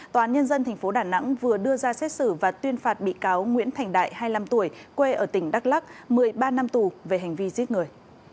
tòa án nhân dân tp đà nẵng vừa đưa ra xét xử và tuyên phạt bị cáo nguyễn thành đại hai mươi năm tuổi quê ở tỉnh đắk lắc một mươi ba năm tù về hành vi giết người